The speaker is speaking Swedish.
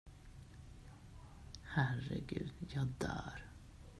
Herregud, jag dör!